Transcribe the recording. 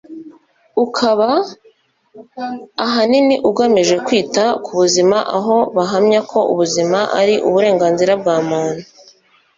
ukaba ahanini ugamije kwita ku buzima aho bahamya ko ubuzima ari uburenganzira bwa muntu